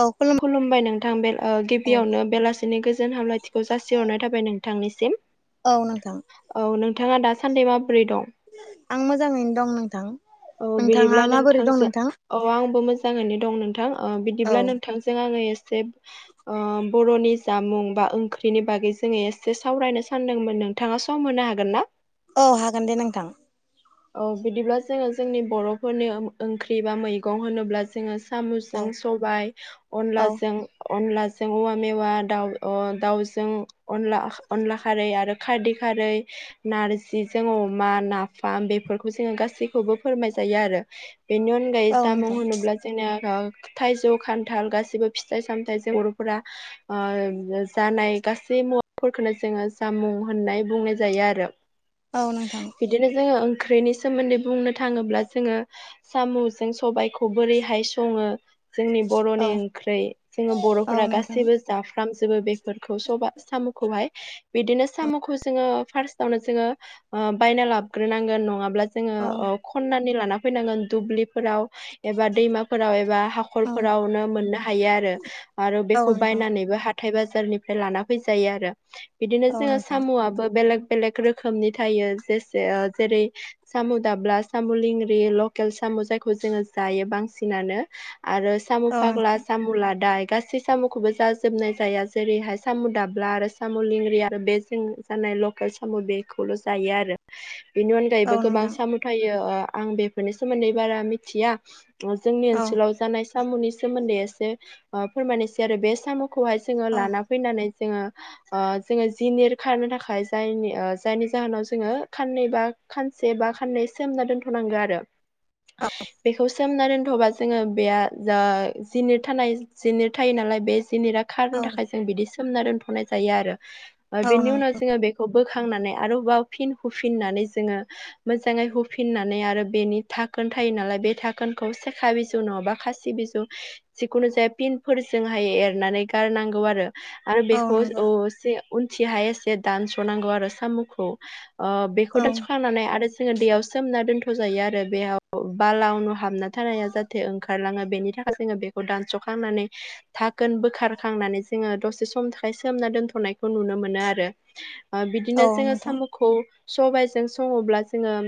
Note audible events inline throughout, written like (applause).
औ खुलुम खुलुमबाय नोंथां बे ओ औ गिबियावनो बेलासिनि गोजोन हामलायथिखौ जासिहरनाय थाबाय नोंथांनिसिम। औ नोंथां। औ नोंथाङा दासान्दि माबोरै दं? आं मोजाङैनो दं नोंथां। नोंथाङा माबोरै दं नोंथां? अ' आंबो मोजाङैनो दं नोंथां। ओ औ बिदिब्ला नोंथांजों आङो एसे ओ बर'नि जामुं बा ओंख्रिनि बागै जोङो एसे सावरायनो सानदोंमोन नों नोंथाङा सम होनो हागोन ना? औ हागोन दे नोंथां। औ बिदिब्ला जोङो जोंनि बर'फोरनि ओंख्रि बा मैगं होनोब्ला जोङो सामुजों औ सबाय औ अनलाजों अनलाजों औवा मेवा दाउजों अनला खारै आरो खारदै खारै नार्जिजों अमा, नाफाम बेफोरखौ जोङो गासैखौबो फोरमाय जायो आरो। बेनि अनगायै औ जामुं नोंथां होनोब्ला जोंनिया थाइजौ खान थाल गासिबो फिथाइ सामथाइजों बर'फोरा ओ जानाय गासै मुवाफोरखौनो जोङो जामुं होननाय बुंनाय जायो आरो। औ नोंथां। बिदिनो जोङो ओंख्रिनि सोमोन्दै बुंनो थाङोब्ला जोङो साम'जों सबायखौ बोरैहाय सङो जोंनि औ बर'नि ओंख्रै जोङो औ बर'फोरा नोंथां गासैबो जाफ्रामजोबो बेफोरखौ सबा साम'खौहाय बिदिनो साम'खौ जोङो फार्स्टावनो जोङो बायना लाबोग्रोनांगोन नङाब्ला जोङो औ ओ खननानै लाना फैनांगोन दुब्लिफोराव एबा दैमाफोराव एबा हाखर औ फोरावनो मोननो हायो आरो आरो औ बेखौ नोंथां बायनानैबो हा हाथाइ बाजारनिफ्राय लाना फैजायो आरो बिदिनो औ जोङो नोंथां साम'आबो बेलेग बेलेग रोखोमनि थायो जेसे ओ जेरै सामु' दाब्ला सामु' लेंग्रि लकेल साम' जायखौ जोङो जायो बांसिनानो। आरो सामु औ नों फाग्लास सामु' लादाय गासै सामु'खौबो जाजोबनाय जाया जेरैहाय सामु' दाब्ला आरो सामु' लेंंग्रि आरो बे जों जानाय लकेल सामु' बेखौल' जायो आरो। बेनि अनगायैबो औ गोबां नोंथां सामु थायो ओ आं बेफोरनि सोमोन्दै बारा मिथिया। ओ जोंनि औ ओनसोलाव जानाय सामु'नि सोमोन्दै एसे ओ फोरमायनोसै आरो बे सामु'खौहाय जोङो औ लाना फैनानै जोङो ओ जोङो जिनिर खारनो थाखाय जायनि ओ जायनि जाहोनाव जोङो खाननै बा खानसे बा खाननै सोमना दोनथ'नांगो आरो। बेखौ सोमना दोनथ'बा जोङो बेया जा जिनिर थानाय जिनिर थायो नालाय बे जिनिरा खारनो औ थाखाय बिदि सोमना दोनथ'नाय जायो आरो ओ औ बेनि नों उनाव जोङो बेखौ बोखांनानै आरोबाव फिन हुफिननानै जोङो मोजाङै हुफिननानै आरो बेनि थाखोन थायो नालाय बे थाखोनखौ सेखा बिजौ नङाबा खासि सिबिजु जिखुनु जाया पिनफोरजोंहाय एरनानै गारनांगौ आरो। आरो औ बेखौ नंगौ अ से उनथि हाय एसे दानस'नांगौ आरो सामु'खौ ओ बेखौ औ दानस'खांनानै आरो जोङो दैयाव सोमना दोनथ' जायो आरो बेयाव बाला उनु' हाबना थानाया जाहाथे ओंखारलाङो। बेनि थाखाय जोङो बेखौ दानस'खांनानै थाखोन बोखारखांनानै जोङो दसे सम सोमना दोनथ'नायखौ नुनो मोनो आरो ओ औ बिदिनो जोङो नोंथां सामु' खौ सबायजों सङोब्ला जोङो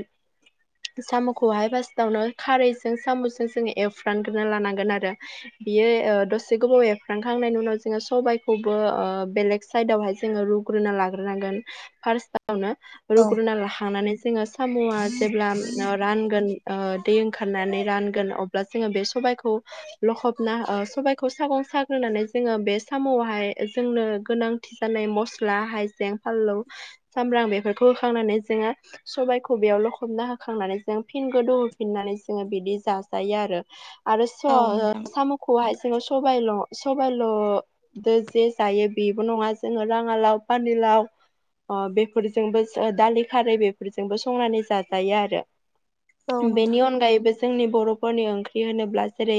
सामु'खौहाय फास्टावनो खारैजों सामु'जों जोङो एवफ्रानग्रोना लानांगोन आरो। बियो ओ दसे गोबाव एरफ्रांखांनायनि उनाव जोङो सबायखौबो ओ बेलेग साइदावहाय जोङो रुग्रोना लाग्रोनांगोन फार्स्ट आवनो औ रुग्रुना लाखांनानै जोङो सामु'आ जेब्ला ओ रानगोन ओ दै ओंखारनानै रानगोन अब्ला जोङो बे सबायखौ लखबना ओ सबायखौ सागं साग्रोनानै जोङो बे साम'आवहाय जोंनो गोनां थि जानाय मस्ला हाइजें फानलौ सामब्राम बेफोरखौ होखांनानै जोङो सबायखौ बेयाव लखबना होखांनानै जों फिन गोदौहोफिननानै जोङो बिदि जाजायो आरो। आरो स औ नोंथां सामु'खौहाय जोङो सबायल' सबायल' दो जे जायो बेबो नङा जोङो राङालाव फानिलाव ओ बेफोरजोंबो दालि खारै बेफोरजोंबो संनानै जाजायो आरो। औ बेनि नोंथां अनगायैबो जोंनि बर'फोरनि ओंख्रि होनोब्ला जेरै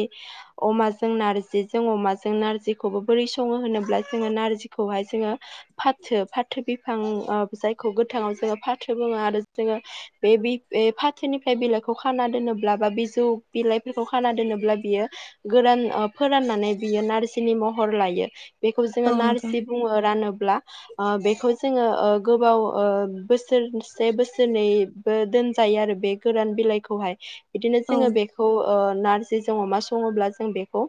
अमाजों नारजिजों अमाजों नारजिखौबो बोरै सङो होनोब्ला जोङो नारजिखौहाय जोङो फाथो फाथो बिफां ओ जायखौ गोथाङाव जोङो फाथो बुङो आरो। जोङो बे बि बे फाथोनिफ्राय बिलाइखौ खाना दोनोब्ला बा बिजौ बिलाइफोरखौ खाना दोनोब्ला बियो गोरान ओ फोराननानै बेयो नारजिनि महर लायो बेखौ जोङो औ नोंथां नारजि बुङो रानोब्ला ओ बेखौ जोङो ओ गोबाव ओ बोस सोरसे बोसोरनैबो दोनजायो आरो बे गोरान बिलाइखौहाय। बिदिनो औ जोङो बेखौ ओ नारजिजों अमा सङोब्ला जों बेखौ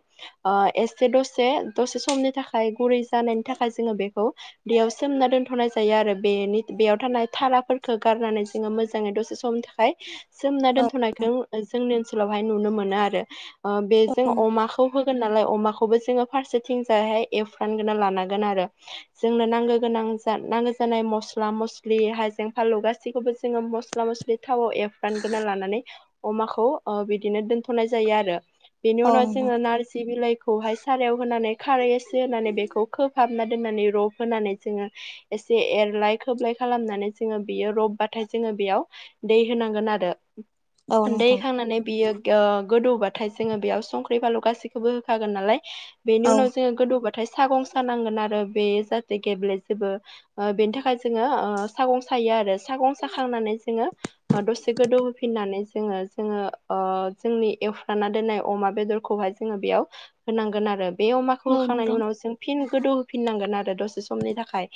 ओ एसे दसे दसे समनि थाखाय गुरै जानायनि थाखाय जोङो बेखौ दैयाव सोमना दोनथ'नाय जायो आरो बेनि बेयाव थानाय थालाफोरखौ गारनानै जोङो मोजाङै दसे समनि थाखाय सोमना औ दोनथ'नायखौ ओ जोंनि ओनसोलावहाय नुनो नो आरो ओ बेजों औ अमाखौ होगोन नालाय अमाखौबो जोङो फारसेथिंजायहाय एवफ्रानगोना लानांगोन आरो जोंनो नांगौ गोनां नांगौ जानाय मस्ला मस्लि हायजें फाललु गासैखौबो जोङो मस्ला मस्लि थावाव ऐवफ्रान ग्रोरना लानानै अमाखौ ओ बिदिनो दोन नाय जायो आरो, बेनि औ उनाव नोंथां जोङो नारजि बिलाइ खौहाय सारायाव होनानै खारै एसे होनानै बेखौ खोबहाबना दोननानै रब होनानै जोङो एसे एरलाय खोबलाय खालामनानै जोङो बेयो रबबाथाय जोङो बेयाव दै होनांगोन आरो औ नोंथां उन्दैखांनानै बियो ओ गोदौबाथाय जोङो बेयाव संख्रि फानलु गासैखौबो होखागोन नालाय औ बेनि उनाव जोङो गोदौबाथाय सागं सानांगोन आरो बे जाहाथे गेब्लेजोबो ओ बेनि थाखाय जोङो ओ सागं सायो आरो सागं साखांनानै जोङो दसे गोदौ होफिननानै जोङो जोङो ओ जोंनि एवफ्रानना दोननाय अमा बेदरखौहाय जोङो बेयाव होनांगोन आरो बे अमाखौ औ होखांनायनि नोंथां उनाव जों फिन गोदौ होफिननांगोन आरो दसे समनि थाखाय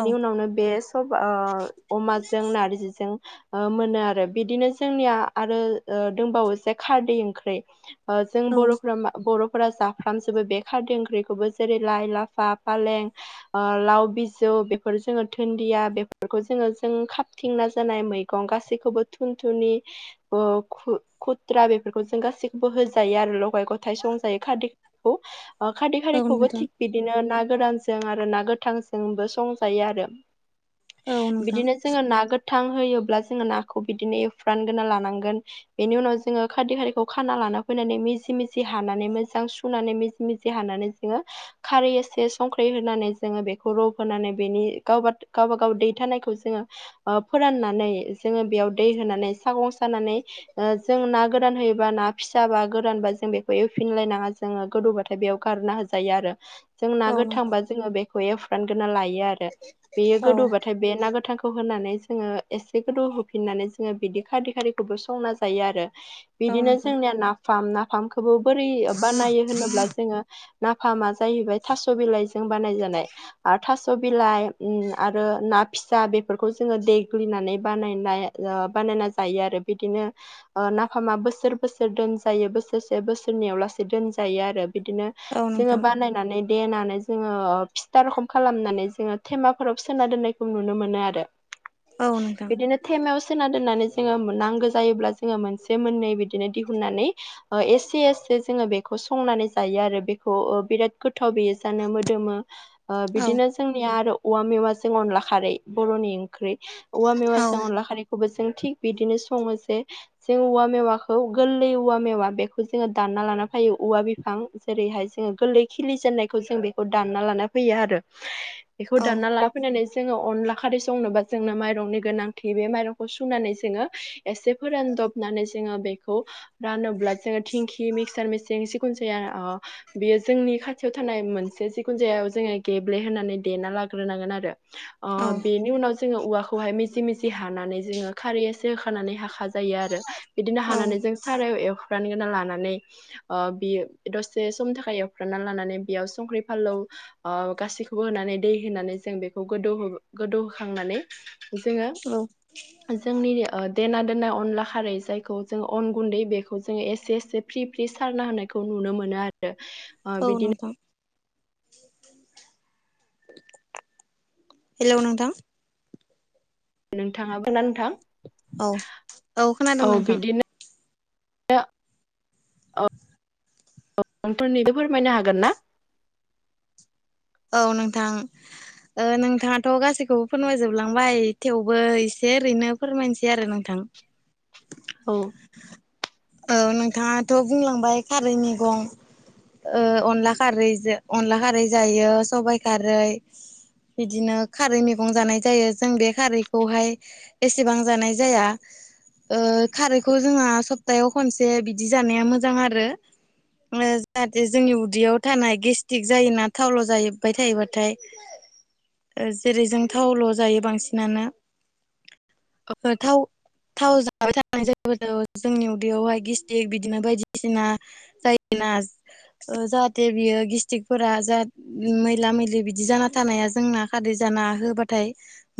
औ उनावनो बे सब ओ अमाजों नारजिजों मोनो आरो बिदिनो जोंनिया आरो दंबावो खारदै ओंख्रि जों औ बर'फोरा बर फा जाफ्रामजोबो बे खारद ओंख्रिखौबो जेरै लाइ, लाफा, फालें लाव बिजौ बेफोर जोङो दन्दिया बेफोरखौ जोङो जों थिंना जानाय मैगं गासैखौबो थुन थुनिु थ्रा बेफोरखौ जों गासैखौबो होजायो आरो लगाय गथायाइ संजायो खारदैखौ खारदै औ खाारिखौबो नोंथां थिग बिदिनो ना गोरानजों आरो ना गोथांजोंबो संजायो आरो औ नोंथां बिदिनो जोङो ना गो गोथां होयोब्ला जोङो नाखौ बिदिनो एवफ्रानगोना लानांगोन बेनि उनाव जों जोङो खारदै हारिखौ खाना लाना फैनानै मिजि मिजि हानानै मोजां सुनानै मिजि मिजि हानानै जोङो खारै एसे संख्रै होनानै जोङो बेखौ रब होनानै बेनि गावा गावबा गाव दैथानायखौ जोङो फोराननानै जोङो बेयाव दै होनानै सागं सानानै जों ना गोरान होयोबा ना फिसाबा गोरानबा जों बेखौ एवफिनलायनाङा जोङो गोदौबाथाय बेयाव गारना हो जायो आरो जों ना औ नोंथां गोथांबा जोङो बेखौ एवफ्रामग्रोना लायो आरो बेयो औ गोदौबथाय बे ना गोथांखौ होनानै जोङो एसे गोदौ होफिननानै जोङो बिदि खारदै खारिखौबो संना जायो आरो औ बिदिनो नोंथां जोंनिया नाफाम नाफखोबो बोरै बानायो होनोब्ला जोङो नाफामा जाहैबाय थास' बिलाइजों बानायजानाय। आरो थास' बिलाइ आरो ना फिसा बेफोरखौ जोङो देग्लिनानै बानायनाय बानायना जायो आरो बिदिनो नाफामा बोसोर बोसोर दोनजायो बोसोरसे बोसोरनैयाव लासे दोनजायो आरो बिदिनो औ जोङो नोंथां बानाय नानै देनानै जोङो फिथा रोखोम खालामनानै जोङो थेमाफोराव सोना दोननायखौ नुनो मोनो आरो। (unintelligible) औ नोंथां। बिदिनो थेमायाव सोना दोननानै जोङो नांगौ जायोब्ला जोङो मोनसे मोन्नै बिदिनो दिहुननानै एसे एसे जोङो बे संनानै जायो आरो बेखौ बिराद गोथाव बेयो जानो मोदोमो ओ औ बिदिनो जोंनिया आरो औवा मेवाजों अनला खारै बर'नि ओंख्रि औवा औ मेवाजों अनला खारै खौबो जों थिग बिदिनो सङो जे जों औवा मेवाखौ गोरलै औवा मेवा बेखौ जोङो दानना लाना फैयो औवा बिफां जेरैहाय जोङो गोरलै खिलिजेननायखौ जों बेखौ दानना लाना फैयो आरो बेखौ दानना ला ना फैनानै जोङो अनला खारै संनोबा जोंनो माइरंनि गोनांथि बे माइरंखौ सुनानै जोङो एसे फोरानदबनानै जोङो बेखौ रानोब्ला जोङो थिंखि मिक्सार मेसिन जिखुनु जाया बेयो जोंनि खाथियाव थानाय मोनसे जिखुनु जाया जोङो गेब्ले होनानै देना लाग्रोनांगोन आरो औ बेनि उनाव जोङो औवाखौहाय मिजि मिजि हानानै जोङो खारै एसे खानानै हाख जायो आरो बिदिनो औ हानानै जों सारायाव एवखान गोना लानानै ओ बियो दसे सम थाखाय एवफ्रानना लानानै बेयाव संख्रि फानलौ ओ गासैखौबो होनानै दै होनानै जों बेखौ गोदौ गोदौ होखांनानै जोङो औ जोंनि ओ देना दोनना अनला खारै जायखौ जों अन गुन्दै बेखौ जोङो एसे एसे फ्रि फ्रि सारना होनाय खौ नुनो मोनो आरो। औ नोंथां हेल' नोंथां। नोंथाङाबो ना नोंथां? औ औ खोनादों नोंथां। (inaudible) (unintelligible) फोरमायनो हागोन ना औ नोंथां ओ नोंथाङाथ' गासैखौबो फोरमायजोबलांबाय थेवबो एसे ओरैनो फोरमायनोसै आरो नोंथां औ औ नोंथाङाथ' बुंलांबाय खारै मैगं ओ अनला खारैजों अनला खारै जायो सबायाइ खारै बिदिनो खारै मैगं जानाय जायो जों बे खारैखौहाय एसेबां जानाय जाया ओ खारैखौ जोंहा सप्तायाव खनसे बिदि जानाया मोजां आरो। ओ जाहाथे जोंनि उदैयाव थानाय गेस्टिक जायोना थावल' जाहैबाय थायोबाथाय। (inaudible) ओ जेरै जों थावल' जायो बांसिनानो ओ थाव थाव जा माबाय थांनाय जायोाथ' जोंनि उदैयावहाय गिस्टिक बिदिनो बायदिसिना जायोना ओ जाहाथे बियो गेस्ट्रिकफोरा मैला मैलि बिदि जाना थानाया जोंना खारै जाना होबाथाय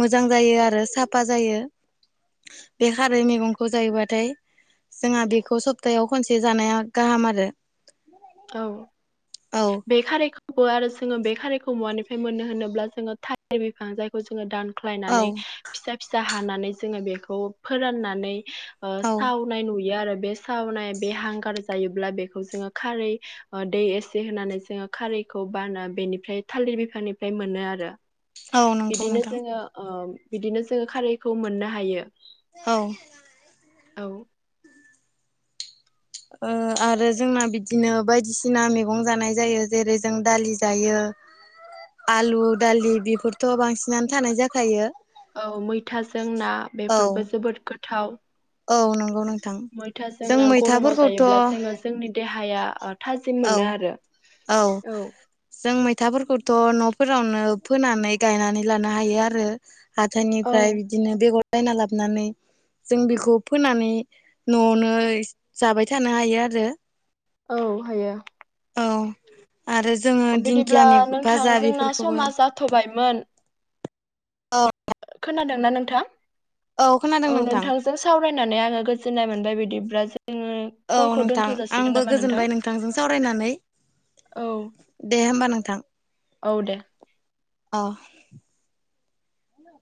मोजां जायो आरो साफा जायो बे खा रै मैगंखौ जायोबाथाय जोंहा बेखौ सप्तायाव खनसे जानाया गाहाम आरो। औ औ बे खारैखौबो आरो जोङो बे खारिखौ मवानिफ्राय मोननो होनोब्ला जोङो थालिर बिफां जायखौ जोङो औ दानख्लायनानै फिसा फिसा हानानै जोङो बेखौ फोराननानै ओ औ साव नाय नुयो आरो बे सावनाय बे हांगार जायोब्ला बेखौ जोङो खारै ओ दै एसे होनानै जोङो खारैखौ बाना बेनिफ्राय थालिर बिफांनिफ्राय मोनो आरो औ नंगौ बिदिनो नोंथां जोङो औ बिदिनो जोङो खारैखौ मोननो हायो। औ औ। ओ आरो जोंना बिदिनो बायदिसिना मैगं जानाय जायो जेरै जों दालि जायो। आलु, दालि बेफोरथ' बांसिनानो थानाय जाखायो। औ मैथाजों ना औ बेफोरबो जोबोद गोथाव औ नंगौ नों मैथा जों ना गरमाव जायोब्ला जोङो जोंनि देहाया थाजिम मोनो औ आरो औ। जों मैथाफोरखौथ' न'फोरावनो फोनानै गायनानै लानो हायो आरो औ हाथायनिफ्राय बिदिनो बेगर बायना लाबोनानै जों बेखौ फोनानै न'आवनो जाबाय थानो हायो आरो औ हायो। औ आरो जोङो दिंखिया मैगं भाजा बेफोरखौबो थबायमोन खोनादोंना नोंथां? औ नोंथां जों सावरायनानै आङो गोजोननाय मोनबाय। बिदिब्ला जोङो औ कलखौ नोंथां दोनथ' जासिगोन आंबो नामा नोंथां गोजोनबाय नोंथांजों सावरायनानै। दे होमबा नोंथां औ औ दे। अ।